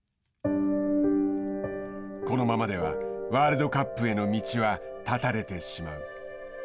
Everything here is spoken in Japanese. このままではワールドカップへの道は絶たれてしまう。